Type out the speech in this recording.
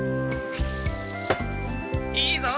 いいぞ！